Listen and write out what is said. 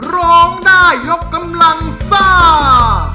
ร้องได้ยกกำลังซ่า